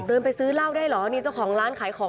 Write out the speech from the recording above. เดินไปซื้อเหล้าได้เหรอนี่เจ้าของร้านขายของ